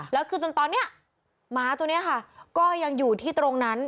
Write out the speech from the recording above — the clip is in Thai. แล้วคือจนตอนนี้หมาตัวนี้ค่ะก็ยังอยู่ที่ตรงนั้น